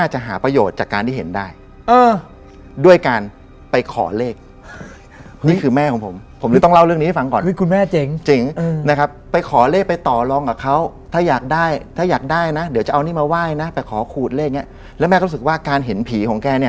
หมอดูหรือร่างทรงอะไรแบบนี้